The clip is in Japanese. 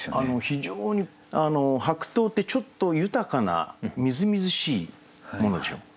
非常に白桃ってちょっと豊かなみずみずしいものでしょ。